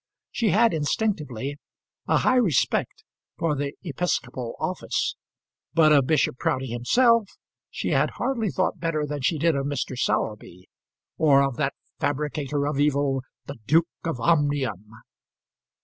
She had, instinctively, a high respect for the episcopal office; but of Bishop Proudie himself she hardly thought better than she did of Mr. Sowerby, or of that fabricator of evil, the Duke of Omnium.